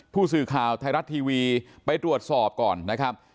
ผู้สื่อข่าวไทยรัฐทีวีไปตรวจสอบก่อนนะครับ